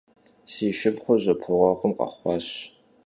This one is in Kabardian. Si şşıpxhur jjepueğuem khexhuaş.